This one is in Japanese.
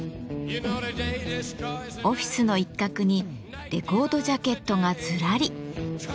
オフィスの一角にレコードジャケットがずらり。